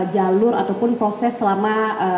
jalur ataupun proses selama